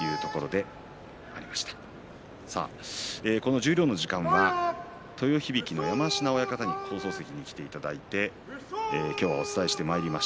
十両の時間は豊響の山科親方に放送席に来ていただいて今日お伝えしてまいります。